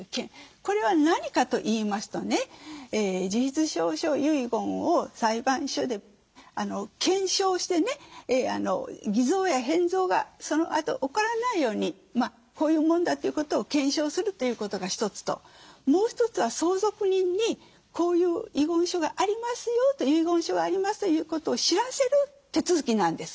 これは何かと言いますとね自筆証書遺言を裁判所で検証してね偽造や変造がそのあと起こらないようにこういうもんだということを検証するということが一つともう一つは相続人にこういう遺言書がありますよと遺言書がありますということを知らせる手続きなんです。